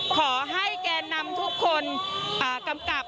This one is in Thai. ขอให้แก่นนำทุกคนกำกับ